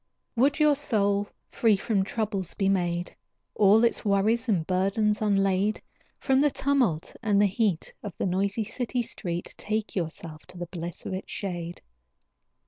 Would your soul free from troubles be made? All its worries and its burdens unlade? From the tumult and the heat Of the noisy city street, Take yourself to the bliss of its shade.